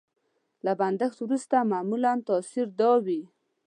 له بندښت وروسته معمولا تاثر دا وي.